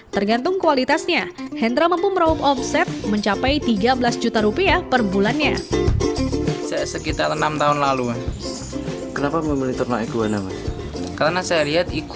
tergantung kualitasnya hendra mampu meraup omset mencapai tiga belas juta rupiah per bulannya